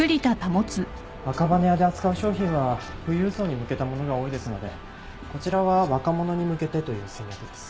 赤羽屋で扱う商品は富裕層に向けたものが多いですのでこちらは若者に向けてという戦略です。